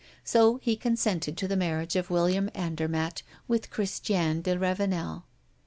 So he consented to the marriage of William Andermatt with Christiane de Ravenel.